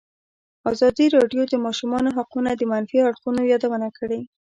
ازادي راډیو د د ماشومانو حقونه د منفي اړخونو یادونه کړې.